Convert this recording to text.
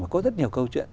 và có rất nhiều câu chuyện